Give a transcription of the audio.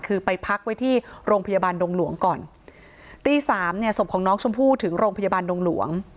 คือไปพักไว้ที่โรงพยาบาลดงหลวงก่อนตีสามเนี่ยศพของน้องชมพู่ถึงโรงพยาบาลดงหลวง